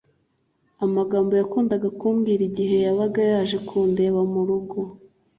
amagambo yakundaga kumbwira igihe yabaga yaje kundeba mu rugo